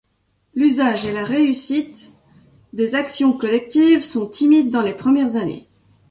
L'usage et la réussite des actions collectives sont timides dans les premières années.